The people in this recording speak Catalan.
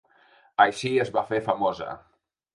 Així es va fer famosa.